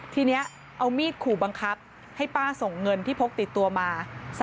ทีนี้เอามีดขู่บังคับให้ป้าส่งเงินที่พกติดตัวมา